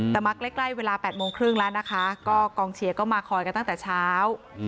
แต่มาใกล้เวลา๘โมงครึ่งแล้วนะคะก็กองเชียร์ก็มาคอยกันตั้งแต่เช้า